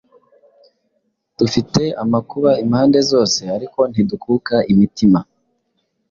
Dufite amakuba impande zose, ariko ntidukuka imitima,